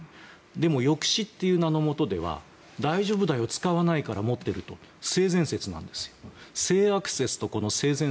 でも、抑止という名のもとでは大丈夫だよ、使わないから持ってると性善説なんですね。